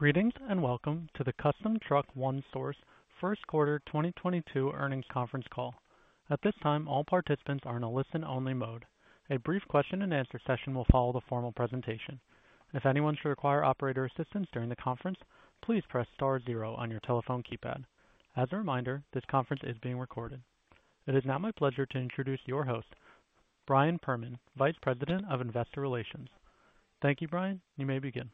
Greetings, and welcome to the Custom Truck One Source first quarter 2022 earnings conference call. At this time, all participants are in a listen-only mode. A brief question and answer session will follow the formal presentation. If anyone should require operator assistance during the conference, please press star zero on your telephone keypad. As a reminder, this conference is being recorded. It is now my pleasure to introduce your host, Brian Perman, Vice President of Investor Relations. Thank you, Brian. You may begin.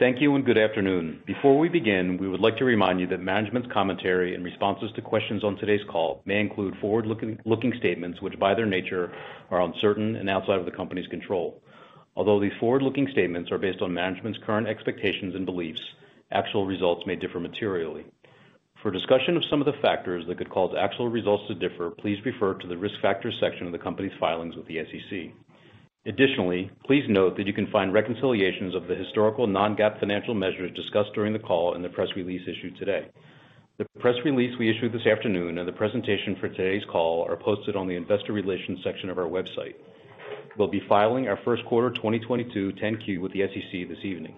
Thank you, and good afternoon. Before we begin, we would like to remind you that management's commentary and responses to questions on today's call may include forward-looking statements which by their nature are uncertain and outside of the company's control. Although these forward-looking statements are based on management's current expectations and beliefs, actual results may differ materially. For discussion of some of the factors that could cause actual results to differ, please refer to the Risk Factors section of the company's filings with the SEC. Additionally, please note that you can find reconciliations of the historical non-GAAP financial measures discussed during the call in the press release issued today. The press release we issued this afternoon and the presentation for today's call are posted on the Investor Relations section of our website. We'll be filing our first quarter 2022 10-Q with the SEC this evening.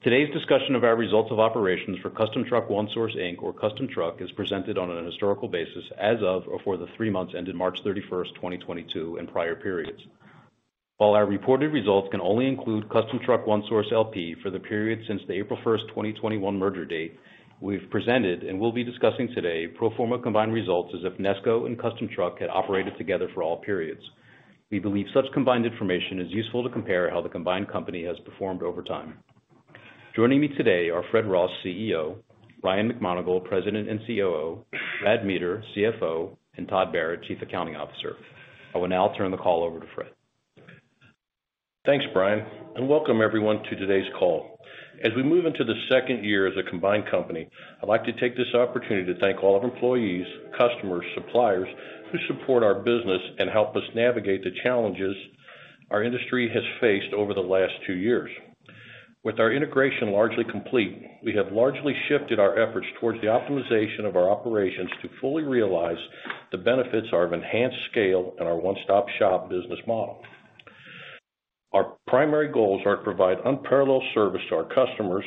Today's discussion of our results of operations for Custom Truck One Source, Inc. or Custom Truck is presented on an historical basis as of or for the three months ended March thirty-first, twenty twenty-two, and prior periods. While our reported results can only include Custom Truck One Source, L.P. for the period since the April first, 2021 merger date, we've presented and will be discussing today pro forma combined results as if Nesco and Custom Truck had operated together for all periods. We believe such combined information is useful to compare how the combined company has performed over time. Joining me today are Fred Ross, CEO, Ryan McMonagle, President and Chief Operating Officer, Brad Meader, CFO, and Todd Barrett, Chief Accounting Officer. I will now turn the call over to Fred. Thanks, Brian, and welcome everyone to today's call. As we move into the second year as a combined company, I'd like to take this opportunity to thank all of employees, customers, suppliers who support our business and help us navigate the challenges our industry has faced over the last two years. With our integration largely complete, we have largely shifted our efforts towards the optimization of our operations to fully realize the benefits of enhanced scale and our one-stop-shop business model. Our primary goals are to provide unparalleled service to our customers,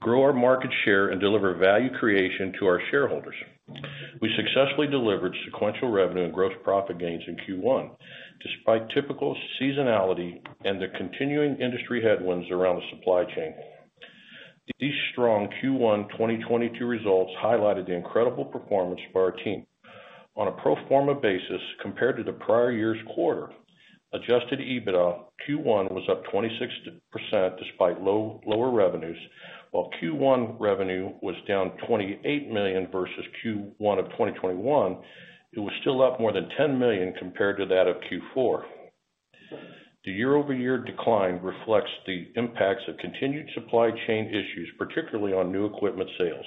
grow our market share, and deliver value creation to our shareholders. We successfully delivered sequential revenue and gross profit gains in Q1, despite typical seasonality and the continuing industry headwinds around the supply chain. These strong Q1 2022 results highlighted the incredible performance of our team. On a pro forma basis, compared to the prior year's quarter, Adjusted EBITDA Q1 was up 26% despite lower revenues, while Q1 revenue was down $28 million versus Q1 of 2021. It was still up more than $10 million compared to that of Q4. The year-over-year decline reflects the impacts of continued supply chain issues, particularly on new equipment sales.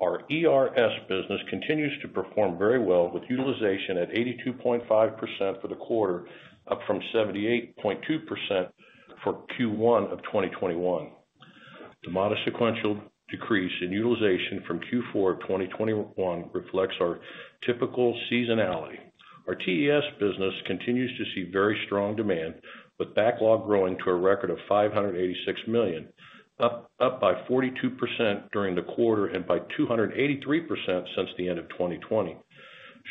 Our ERS business continues to perform very well, with utilization at 82.5% for the quarter, up from 78.2% for Q1 of 2021. The modest sequential decrease in utilization from Q4 of 2021 reflects our typical seasonality. Our TES business continues to see very strong demand, with backlog growing to a record of $586 million, up by 42% during the quarter and by 283% since the end of 2020.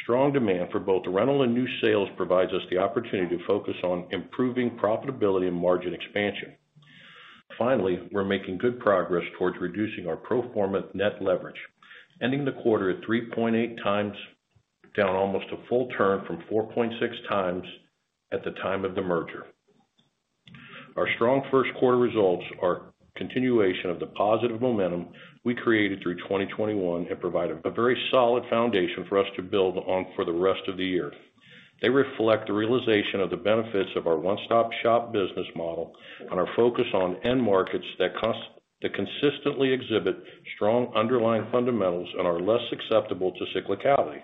Strong demand for both the rental and new sales provides us the opportunity to focus on improving profitability and margin expansion. Finally, we're making good progress towards reducing our pro forma net leverage, ending the quarter at 3.8 times, down almost a full turn from 4.6 times at the time of the merger. Our strong first quarter results are continuation of the positive momentum we created through 2021 and provide a very solid foundation for us to build on for the rest of the year. They reflect the realization of the benefits of our one-stop-shop business model and our focus on end markets that consistently exhibit strong underlying fundamentals and are less susceptible to cyclicality.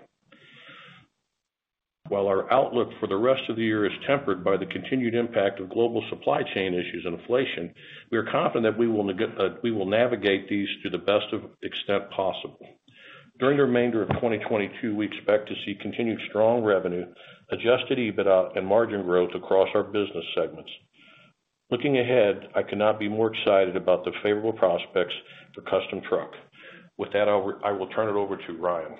While our outlook for the rest of the year is tempered by the continued impact of global supply chain issues and inflation, we are confident we will navigate these to the best extent possible. During the remainder of 2022, we expect to see continued strong revenue, Adjusted EBITDA, and margin growth across our business segments. Looking ahead, I cannot be more excited about the favorable prospects for Custom Truck. With that, I will turn it over to Ryan.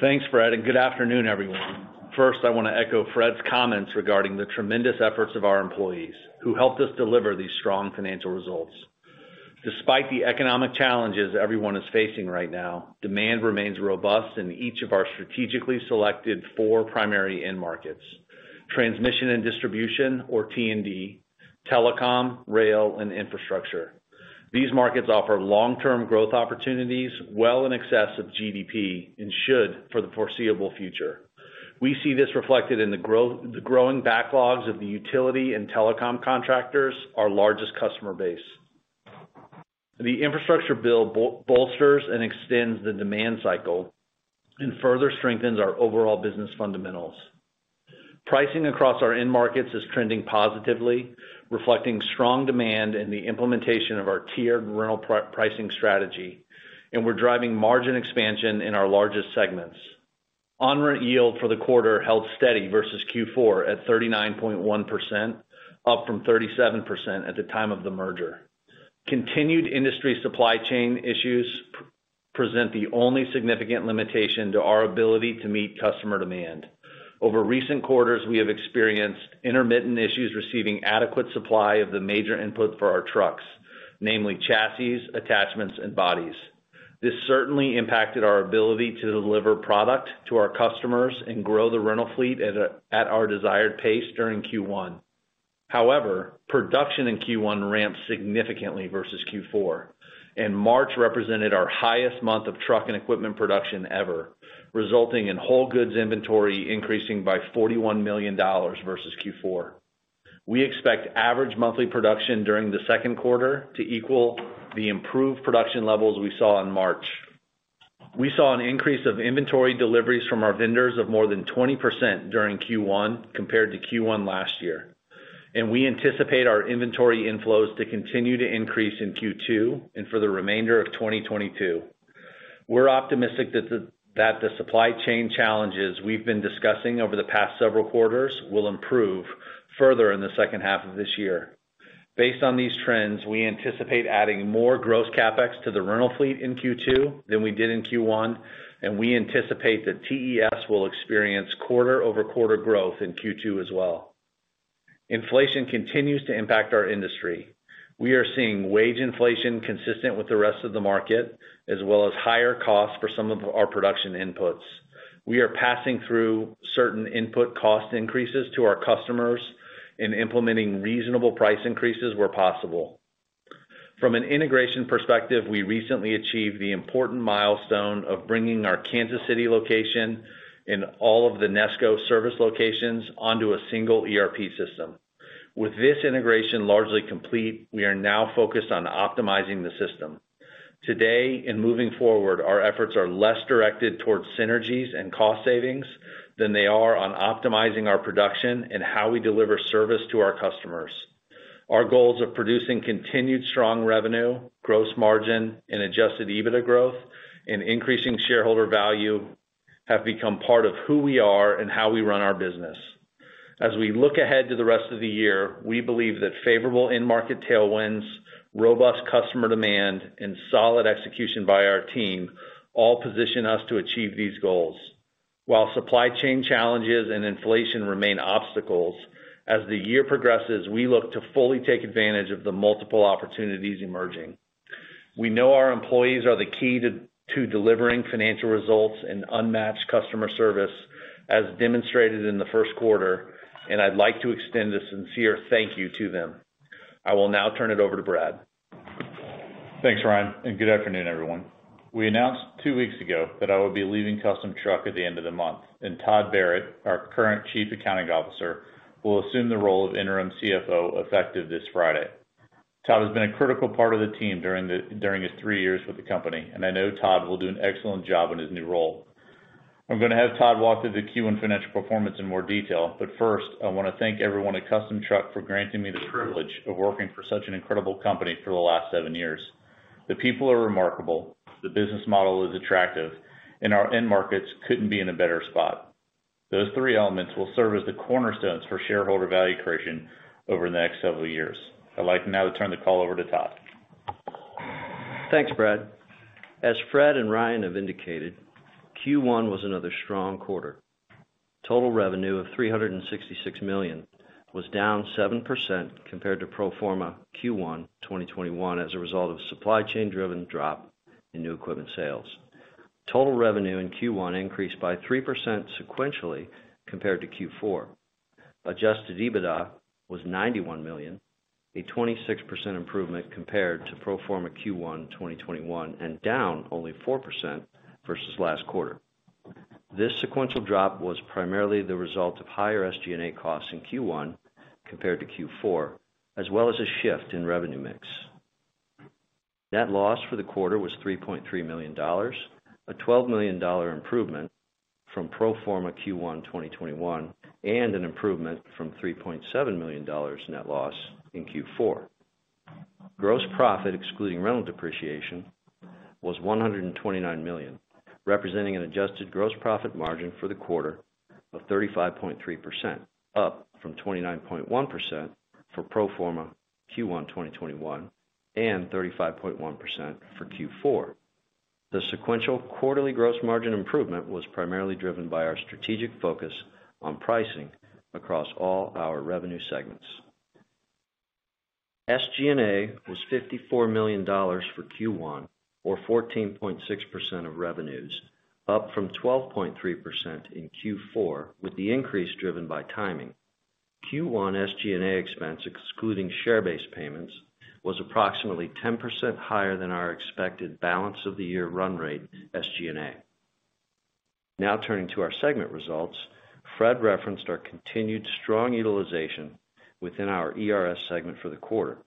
Thanks, Fred, and good afternoon, everyone. First, I wanna echo Fred's comments regarding the tremendous efforts of our employees who helped us deliver these strong financial results. Despite the economic challenges everyone is facing right now, demand remains robust in each of our strategically selected four primary end markets, transmission and distribution, or T&D, telecom, rail, and infrastructure. These markets offer long-term growth opportunities well in excess of GDP and should for the foreseeable future. We see this reflected in the growing backlogs of the utility and telecom contractors, our largest customer base. The infrastructure build bolsters and extends the demand cycle and further strengthens our overall business fundamentals. Pricing across our end markets is trending positively, reflecting strong demand in the implementation of our tiered rental pricing strategy, and we're driving margin expansion in our largest segments. On rent yield for the quarter held steady versus Q4 at 39.1%, up from 37% at the time of the merger. Continued industry supply chain issues present the only significant limitation to our ability to meet customer demand. Over recent quarters, we have experienced intermittent issues receiving adequate supply of the major input for our trucks, namely chassis, attachments, and bodies. This certainly impacted our ability to deliver product to our customers and grow the rental fleet at our desired pace during Q1. However, production in Q1 ramped significantly versus Q4, and March represented our highest month of truck and equipment production ever, resulting in whole goods inventory increasing by $41 million versus Q4. We expect average monthly production during the second quarter to equal the improved production levels we saw in March. We saw an increase of inventory deliveries from our vendors of more than 20% during Q1 compared to Q1 last year, and we anticipate our inventory inflows to continue to increase in Q2 and for the remainder of 2022. We're optimistic that the supply chain challenges we've been discussing over the past several quarters will improve further in the second half of this year. Based on these trends, we anticipate adding more gross CapEx to the rental fleet in Q2 than we did in Q1, and we anticipate that TES will experience quarter-over-quarter growth in Q2 as well. Inflation continues to impact our industry. We are seeing wage inflation consistent with the rest of the market, as well as higher costs for some of our production inputs. We are passing through certain input cost increases to our customers and implementing reasonable price increases where possible. From an integration perspective, we recently achieved the important milestone of bringing our Kansas City location and all of the Nesco service locations onto a single ERP system. With this integration largely complete, we are now focused on optimizing the system. Today, in moving forward, our efforts are less directed towards synergies and cost savings than they are on optimizing our production and how we deliver service to our customers. Our goals of producing continued strong revenue, gross margin, and Adjusted EBITDA growth and increasing shareholder value have become part of who we are and how we run our business. As we look ahead to the rest of the year, we believe that favorable end market tailwinds, robust customer demand, and solid execution by our team all position us to achieve these goals. While supply chain challenges and inflation remain obstacles, as the year progresses, we look to fully take advantage of the multiple opportunities emerging. We know our employees are the key to delivering financial results and unmatched customer service as demonstrated in the first quarter, and I'd like to extend a sincere thank you to them. I will now turn it over to Brad. Thanks, Ryan, and good afternoon, everyone. We announced two weeks ago that I would be leaving Custom Truck at the end of the month, and Todd Barrett, our current Chief Accounting Officer, will assume the role of interim CFO effective this Friday. Todd has been a critical part of the team during his three years with the company, and I know Todd will do an excellent job in his new role. I'm gonna have Todd walk through the Q1 financial performance in more detail, but first, I wanna thank everyone at Custom Truck for granting me the privilege of working for such an incredible company for the last seven years. The people are remarkable, the business model is attractive, and our end markets couldn't be in a better spot. Those three elements will serve as the cornerstones for shareholder value creation over the next several years. I'd like now to turn the call over to Todd. Thanks, Brad. As Fred and Ryan have indicated, Q1 was another strong quarter. Total revenue of $366 million was down 7% compared to pro forma Q1 2021 as a result of supply chain-driven drop in new equipment sales. Total revenue in Q1 increased by 3% sequentially compared to Q4. Adjusted EBITDA was $91 million, a 26% improvement compared to pro forma Q1 2021 and down only 4% versus last quarter. This sequential drop was primarily the result of higher SG&A costs in Q1 compared to Q4, as well as a shift in revenue mix. Net loss for the quarter was $3.3 million, a $12 million improvement from pro forma Q1 2021 and an improvement from $3.7 million net loss in Q4. Gross profit, excluding rental depreciation, was $129 million, representing an adjusted gross profit margin for the quarter of 35.3%, up from 29.1% for pro forma Q1 2021 and 35.1% for Q4. The sequential quarterly gross margin improvement was primarily driven by our strategic focus on pricing across all our revenue segments. SG&A was $54 million for Q1, or 14.6% of revenues, up from 12.3% in Q4, with the increase driven by timing. Q1 SG&A expense excluding share-based payments was approximately 10% higher than our expected balance of the year run rate SG&A. Now turning to our segment results. Fred referenced our continued strong utilization within our ERS segment for the quarter,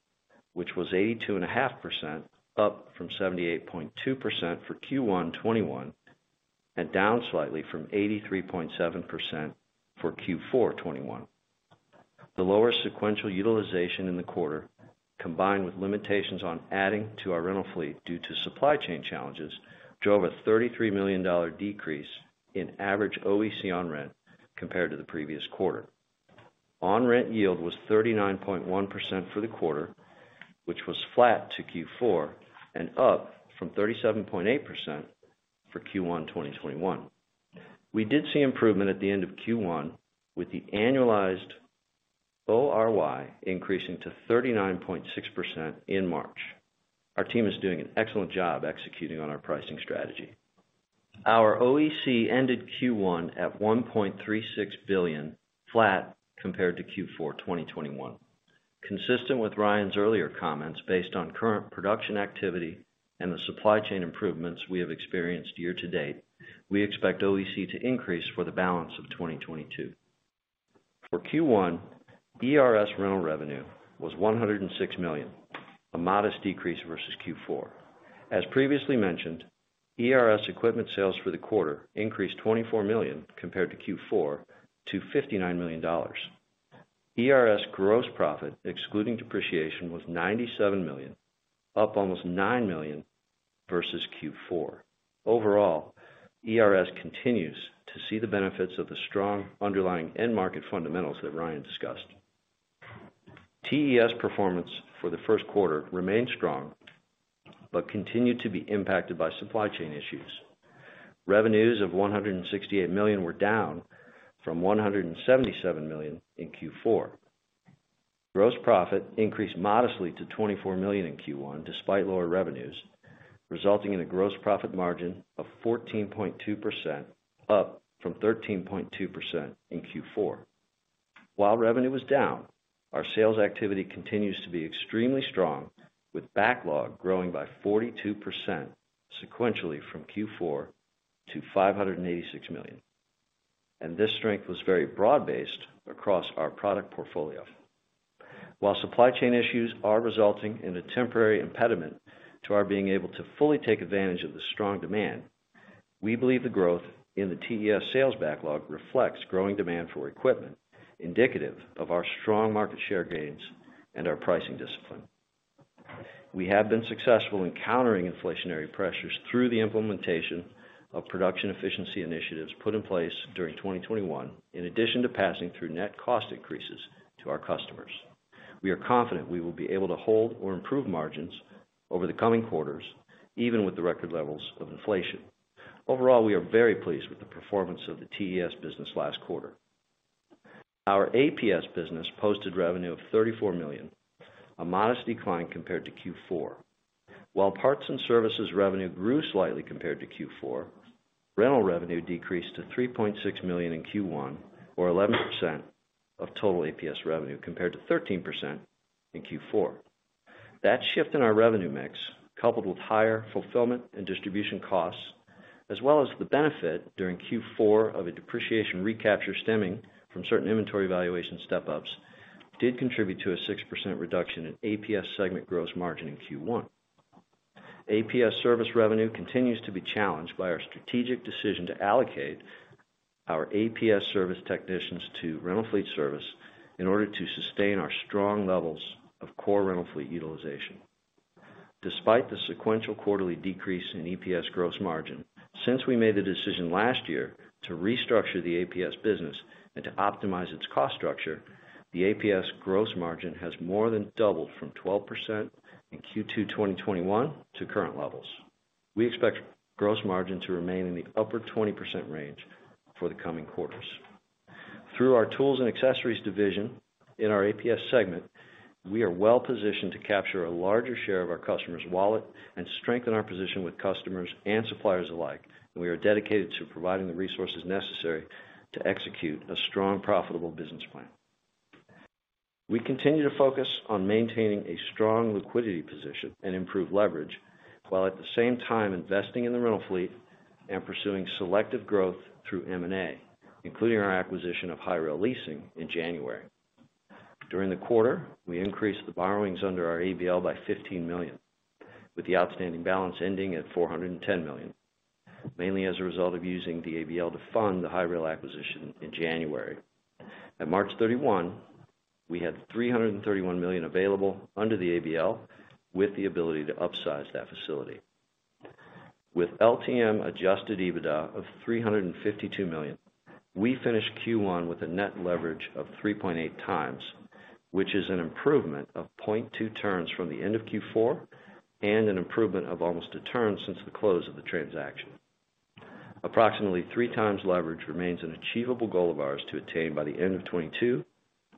which was 82.5%, up from 78.2% for Q1 2021 and down slightly from 83.7% for Q4 2021. The lower sequential utilization in the quarter, combined with limitations on adding to our rental fleet due to supply chain challenges, drove a $33 million decrease in average OEC on rent compared to the previous quarter. On rent yield was 39.1% for the quarter, which was flat to Q4 and up from 37.8% for Q1 2021. We did see improvement at the end of Q1 with the annualized ORY increasing to 39.6% in March. Our team is doing an excellent job executing on our pricing strategy. Our OEC ended Q1 at $1.36 billion flat compared to Q4 2021. Consistent with Ryan's earlier comments based on current production activity and the supply chain improvements we have experienced year to date, we expect OEC to increase for the balance of 2022. For Q1, ERS rental revenue was $106 million, a modest decrease versus Q4. As previously mentioned, ERS equipment sales for the quarter increased $24 million compared to Q4 to $59 million. ERS gross profit, excluding depreciation, was $97 million, up almost $9 million versus Q4. Overall, ERS continues to see the benefits of the strong underlying end market fundamentals that Ryan discussed. TES performance for the first quarter remained strong, but continued to be impacted by supply chain issues. Revenues of $168 million were down from $177 million in Q4. Gross profit increased modestly to $24 million in Q1 despite lower revenues, resulting in a gross profit margin of 14.2%, up from 13.2% in Q4. While revenue was down, our sales activity continues to be extremely strong, with backlog growing by 42% sequentially from Q4 to $586 million. This strength was very broad-based across our product portfolio. While supply chain issues are resulting in a temporary impediment to our being able to fully take advantage of the strong demand, we believe the growth in the TES sales backlog reflects growing demand for equipment, indicative of our strong market share gains and our pricing discipline. We have been successful in countering inflationary pressures through the implementation of production efficiency initiatives put in place during 2021, in addition to passing through net cost increases to our customers. We are confident we will be able to hold or improve margins over the coming quarters, even with the record levels of inflation. Overall, we are very pleased with the performance of the TES business last quarter. Our APS business posted revenue of $34 million, a modest decline compared to Q4. While parts and services revenue grew slightly compared to Q4, rental revenue decreased to $3.6 million in Q1 or 11% of total APS revenue compared to 13% in Q4. That shift in our revenue mix, coupled with higher fulfillment and distribution costs, as well as the benefit during Q4 of a depreciation recapture stemming from certain inventory valuation step-ups, did contribute to a 6% reduction in APS segment gross margin in Q1. APS service revenue continues to be challenged by our strategic decision to allocate our APS service technicians to rental fleet service in order to sustain our strong levels of core rental fleet utilization. Despite the sequential quarterly decrease in APS gross margin, since we made the decision last year to restructure the APS business and to optimize its cost structure, the APS gross margin has more than doubled from 12% in Q2 2021 to current levels. We expect gross margin to remain in the upper 20% range for the coming quarters. Through our tools and accessories division in our APS segment, we are well-positioned to capture a larger share of our customers' wallet and strengthen our position with customers and suppliers alike, and we are dedicated to providing the resources necessary to execute a strong, profitable business plan. We continue to focus on maintaining a strong liquidity position and improve leverage, while at the same time investing in the rental fleet and pursuing selective growth through M&A, including our acquisition of Hi-Rail Leasing in January. During the quarter, we increased the borrowings under our ABL by $15 million, with the outstanding balance ending at $410 million, mainly as a result of using the ABL to fund the HiRail acquisition in January. At March 31, we had $331 million available under the ABL, with the ability to upsize that facility. With LTM Adjusted EBITDA of $352 million, we finished Q1 with a net leverage of 3.8x, which is an improvement of 0.2 turns from the end of Q4 and an improvement of almost a turn since the close of the transaction. Approximately three times leverage remains an achievable goal of ours to attain by the end of 2022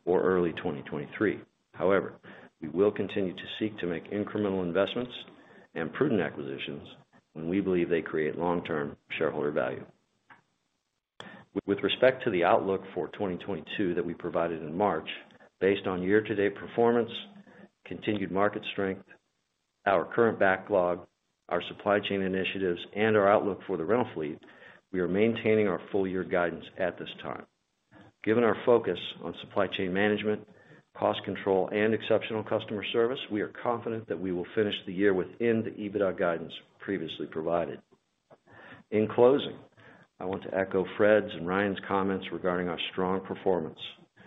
or early 2023. However, we will continue to seek to make incremental investments and prudent acquisitions when we believe they create long-term shareholder value. With respect to the outlook for 2022 that we provided in March based on year-to-date performance, continued market strength, our current backlog, our supply chain initiatives, and our outlook for the rental fleet, we are maintaining our full year guidance at this time. Given our focus on supply chain management, cost control, and exceptional customer service, we are confident that we will finish the year within the EBITDA guidance previously provided. In closing, I want to echo Fred's and Ryan's comments regarding our strong performance.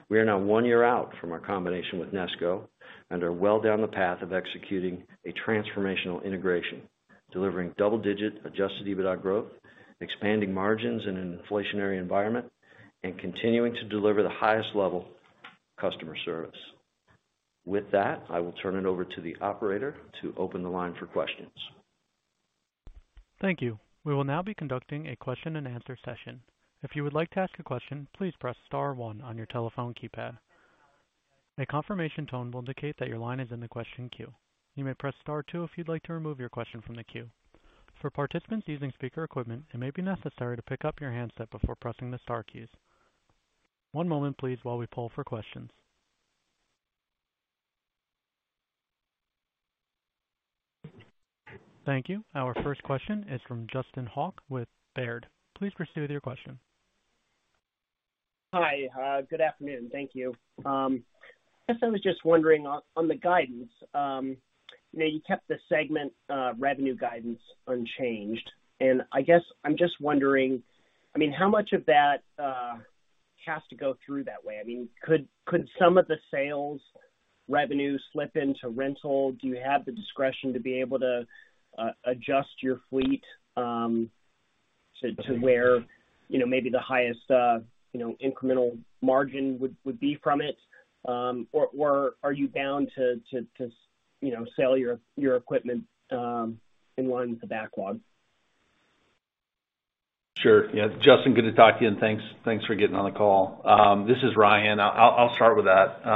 We are now one year out from our combination with Nesco and are well down the path of executing a transformational integration, delivering double digit Adjusted EBITDA growth, expanding margins in an inflationary environment, and continuing to deliver the highest level customer service. With that, I will turn it over to the operator to open the line for questions. Thank you. We will now be conducting a question and answer session. If you would like to ask a question, please press star one on your telephone keypad. A confirmation tone will indicate that your line is in the question queue. You may press star two if you'd like to remove your question from the queue. For participants using speaker equipment, it may be necessary to pick up your handset before pressing the star keys. One moment please while we poll for questions. Thank you. Our first question is from Justin Hauke with Baird. Please proceed with your question. Hi, good afternoon. Thank you. I guess I was just wondering on the guidance, you know, you kept the segment revenue guidance unchanged, and I guess I'm just wondering, I mean, how much of that has to go through that way? I mean, could some of the sales revenues slip into rental? Do you have the discretion to be able to adjust your fleet, to where, you know, maybe the highest, you know, incremental margin would be from it, or are you bound to you know, sell your equipment in line with the backlog? Sure. Yeah. Justin, good to talk to you, and thanks for getting on the call. This is Ryan. I'll start with that.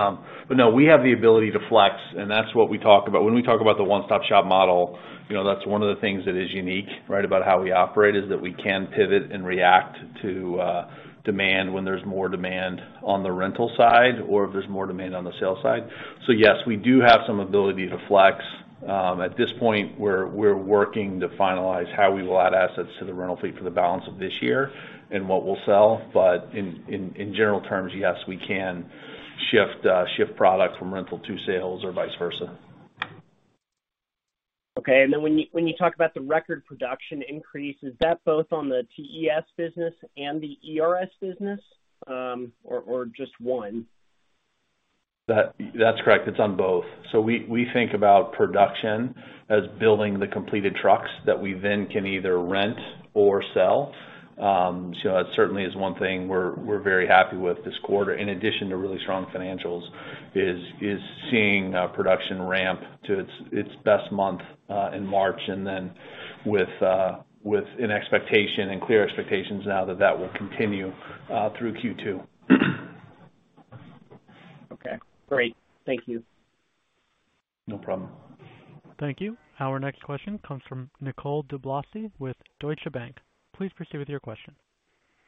No, we have the ability to flex, and that's what we talk about. When we talk about the one-stop-shop model, you know, that's one of the things that is unique, right? About how we operate, is that we can pivot and react to demand when there's more demand on the rental side or if there's more demand on the sales side. Yes, we do have some ability to flex. At this point, we're working to finalize how we will add assets to the rental fleet for the balance of this year and what we'll sell. In general terms, yes, we can shift product from rental to sales or vice versa. Okay. When you talk about the record production increase, is that both on the TES business and the ERS business, or just one? That, that's correct, it's on both. We think about production as building the completed trucks that we then can either rent or sell. That certainly is one thing we're very happy with this quarter, in addition to really strong financials, is seeing production ramp to its best month in March and then with an expectation and clear expectations now that that will continue through Q2. Okay, great. Thank you. No problem. Thank you. Our next question comes from Nicole DeBlase with Deutsche Bank. Please proceed with your question.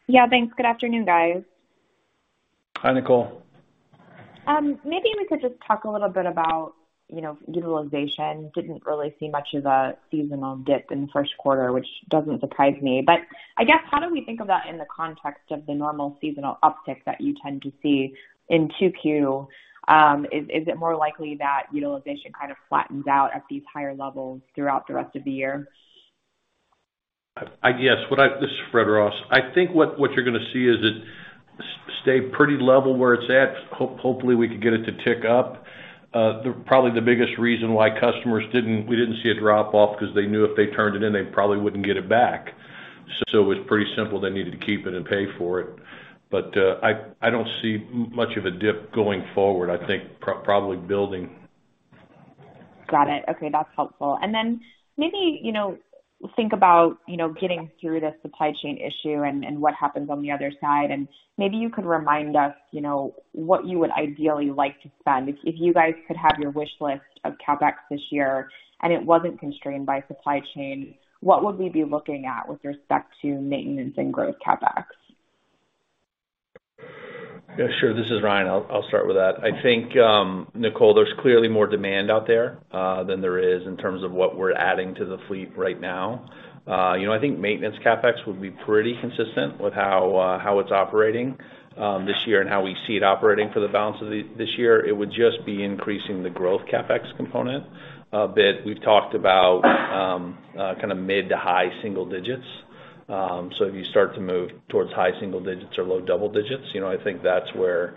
Yeah, thanks. Good afternoon, guys. Hi, Nicole. Maybe we could just talk a little bit about, you know, utilization. Didn't really see much of a seasonal dip in first quarter, which doesn't surprise me, but I guess, how do we think about in the context of the normal seasonal uptick that you tend to see in Q2? Is it more likely that utilization kind of flattens out at these higher levels throughout the rest of the year? This is Fred Ross. I think what you're gonna see is it stay pretty level where it's at. Hopefully, we can get it to tick up. Probably the biggest reason why we didn't see a drop off because they knew if they turned it in, they probably wouldn't get it back. It was pretty simple. They needed to keep it and pay for it. I don't see much of a dip going forward. I think probably building. Got it. Okay, that's helpful. Maybe, you know, think about, you know, getting through the supply chain issue and what happens on the other side. Maybe you could remind us, you know, what you would ideally like to spend. If you guys could have your wish list of CapEx this year, and it wasn't constrained by supply chain, what would we be looking at with respect to maintenance and growth CapEx? Yeah, sure. This is Ryan. I'll start with that. I think, Nicole, there's clearly more demand out there than there is in terms of what we're adding to the fleet right now. You know, I think maintenance CapEx would be pretty consistent with how it's operating this year and how we see it operating for the balance of this year. It would just be increasing the growth CapEx component a bit. We've talked about kinda mid to high single digits. If you start to move towards high single digits or low double digits, you know, I think that's where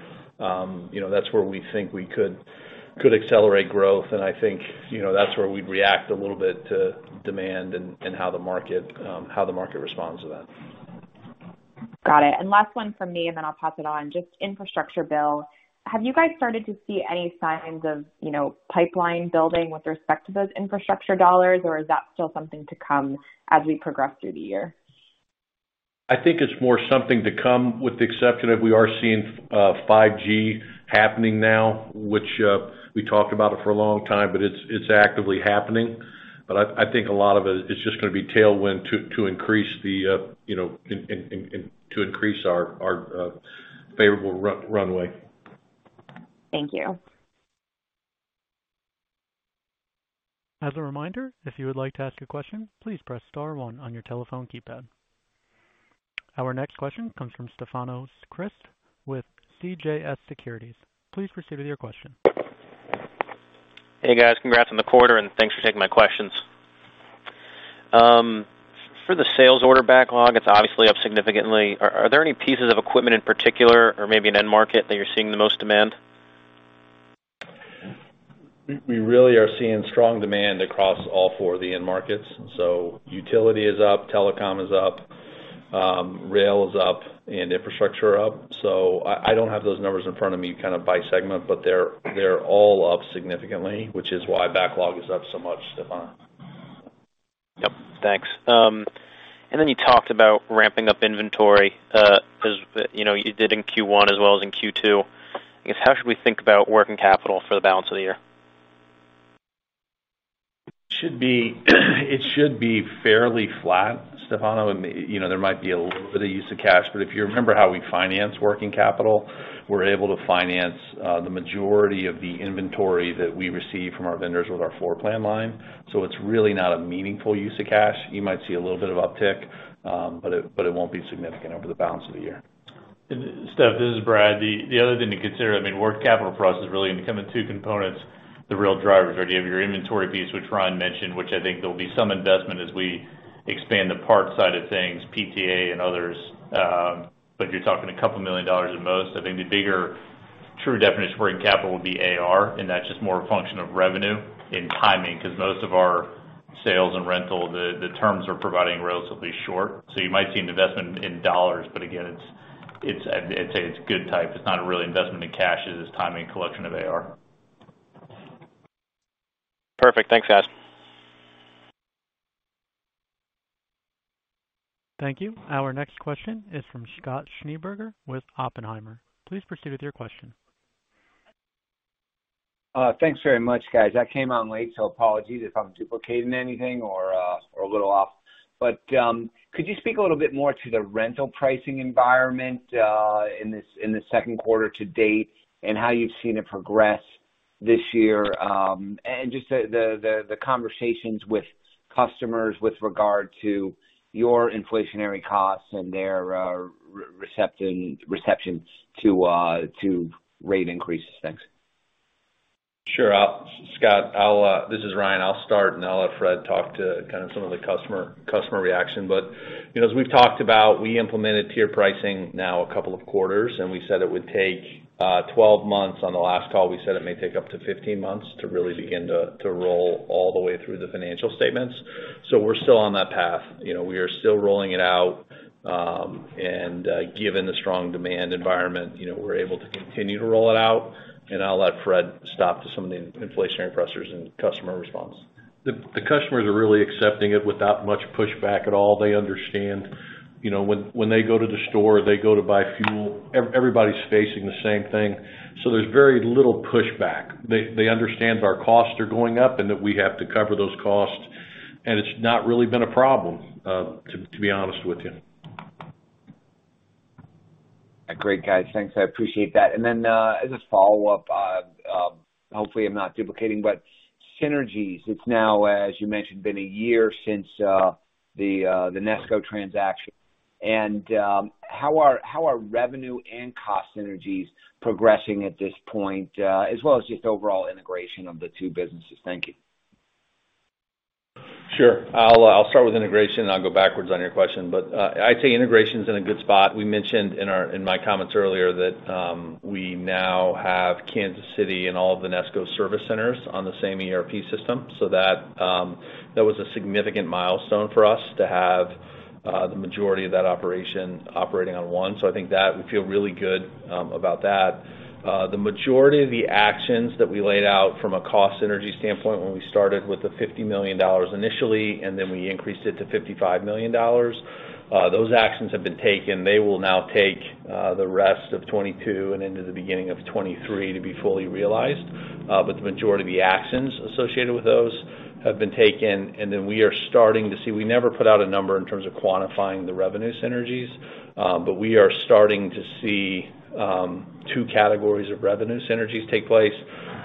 you know, that's where we think we could accelerate growth. I think, you know, that's where we'd react a little bit to demand and how the market responds to that. Got it. Last one from me, and then I'll pass it on. Just infrastructure bill. Have you guys started to see any signs of, you know, pipeline building with respect to those infrastructure dollars, or is that still something to come as we progress through the year? I think it's more something to come with the exception of we are seeing 5G happening now, which we talked about it for a long time, but it's actively happening. I think a lot of it it's just gonna be tailwind to increase the, you know, and to increase our favorable runway. Thank you. As a reminder, if you would like to ask a question, please press star one on your telephone keypad. Our next question comes from Stefanos Crist with CJS Securities. Please proceed with your question. Hey, guys. Congrats on the quarter, and thanks for taking my questions. For the sales order backlog, it's obviously up significantly. Are there any pieces of equipment in particular or maybe an end market that you're seeing the most demand? We really are seeing strong demand across all four of the end markets. Utility is up, telecom is up, rail is up, and infrastructure are up. I don't have those numbers in front of me kind of by segment, but they're all up significantly, which is why backlog is up so much, Stefano. Yep, thanks. Then you talked about ramping up inventory, 'cause, you know, you did in Q1 as well as in Q2. I guess, how should we think about working capital for the balance of the year? It should be fairly flat, Stefano. You know, there might be a little bit of use of cash, but if you remember how we finance working capital, we're able to finance the majority of the inventory that we receive from our vendors with our floor plan line. It's really not a meaningful use of cash. You might see a little bit of uptick, but it won't be significant over the balance of the year. Steph, this is Brad. The other thing to consider, I mean, working capital for us is really gonna come in two components. The real drivers are you have your inventory piece, which Ryan mentioned, which I think there'll be some investment as we expand the parts side of things, PTA and others. But you're talking $2 million at most. I think the bigger true definition of working capital would be AR, and that's just more a function of revenue and timing because most of our sales and rental, the terms are relatively short. You might see an investment in dollars, but again, it's, I'd say it's good type. It's not really an investment in cash as it is timing collection of AR. Perfect. Thanks, guys. Thank you. Our next question is from Scott Schneeberger with Oppenheimer. Please proceed with your question. Thanks very much, guys. I came on late, so apologies if I'm duplicating anything or a little off. Could you speak a little bit more to the rental pricing environment in the second quarter to date and how you've seen it progress this year, and just the conversations with customers with regard to your inflationary costs and their receptions to rate increases. Thanks. Sure, Scott, this is Ryan. I'll start, and I'll let Fred talk to kind of some of the customer reaction. You know, as we've talked about, we implemented tier pricing now a couple of quarters, and we said it would take 12 months. On the last call, we said it may take up to 15 months to really begin to roll all the way through the financial statements. We're still on that path. You know, we are still rolling it out, and given the strong demand environment, you know, we're able to continue to roll it out, and I'll let Fred talk to some of the inflationary pressures and customer response. The customers are really accepting it without much pushback at all. They understand, you know, when they go to the store, they go to buy fuel, everybody's facing the same thing. There's very little pushback. They understand our costs are going up and that we have to cover those costs, and it's not really been a problem, to be honest with you. Great, guys. Thanks, I appreciate that. As a follow-up, hopefully I'm not duplicating, but synergies. It's now, as you mentioned, been a year since the Nesco transaction. How are revenue and cost synergies progressing at this point, as well as just overall integration of the two businesses? Thank you. Sure. I'll start with integration, and I'll go backwards on your question. I'd say integration's in a good spot. We mentioned in my comments earlier that we now have Kansas City and all of the NESCO service centers on the same ERP system. That was a significant milestone for us to have the majority of that operation operating on one. I think that we feel really good about that. The majority of the actions that we laid out from a cost synergy standpoint when we started with the $50 million initially, and then we increased it to $55 million, those actions have been taken. They will now take the rest of 2022 and into the beginning of 2023 to be fully realized, but the majority of the actions associated with those have been taken. We never put out a number in terms of quantifying the revenue synergies, but we are starting to see two categories of revenue synergies take place.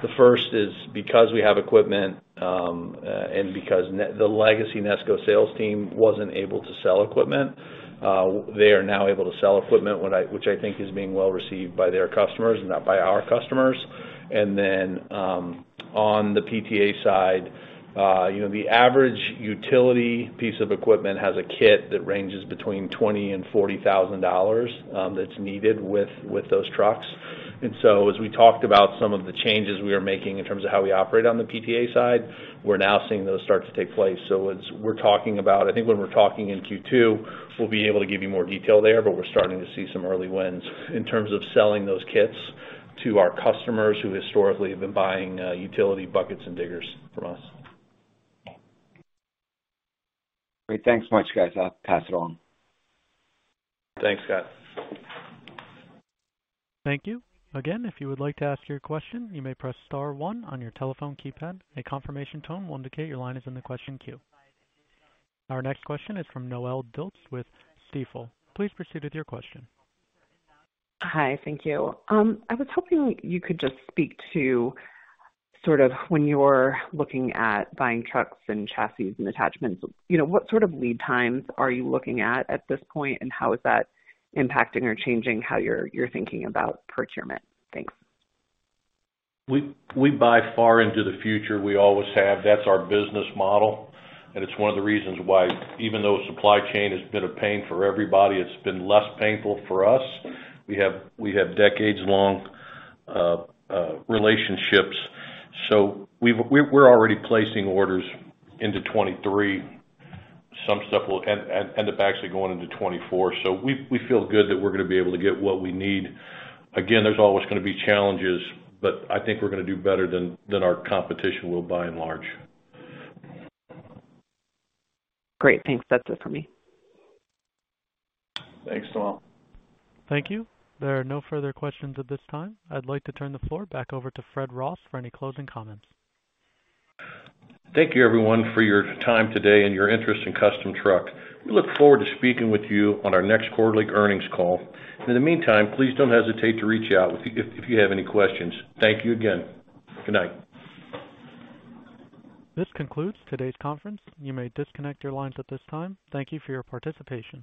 The first is because we have equipment, and because the legacy Nesco sales team wasn't able to sell equipment, they are now able to sell equipment, which I think is being well received by their customers, now by our customers. On the PTA side, the average utility piece of equipment has a kit that ranges between $20,000 and $40,000, that's needed with those trucks. As we talked about some of the changes we are making in terms of how we operate on the PTA side, we're now seeing those start to take place. As we're talking about, I think when we're talking in Q2, we'll be able to give you more detail there, but we're starting to see some early wins in terms of selling those kits to our customers who historically have been buying utility buckets and diggers from us. Great. Thanks much, guys. I'll pass it on. Thanks, Scott. Thank you. Again, if you would like to ask your question, you may press star one on your telephone keypad. A confirmation tone will indicate your line is in the question queue. Our next question is from Noelle Dilts with Stifel. Please proceed with your question. Hi, thank you. I was hoping you could just speak to sort of when you're looking at buying trucks and chassis and attachments, you know, what sort of lead times are you looking at at this point, and how is that impacting or changing how you're thinking about procurement? Thanks. We buy far into the future. We always have. That's our business model, and it's one of the reasons why even though supply chain has been a pain for everybody, it's been less painful for us. We have decades-long relationships, so we're already placing orders into 2023. Some stuff will end up actually going into 2024. We feel good that we're gonna be able to get what we need. Again, there's always gonna be challenges, but I think we're gonna do better than our competition will by and large. Great. Thanks. That's it for me. Thanks, Noelle. Thank you. There are no further questions at this time. I'd like to turn the floor back over to Fred Ross for any closing comments. Thank you everyone for your time today and your interest in Custom Truck. We look forward to speaking with you on our next quarterly earnings call. In the meantime, please don't hesitate to reach out if you have any questions. Thank you again. Good night. This concludes today's conference. You may disconnect your lines at this time. Thank you for your participation.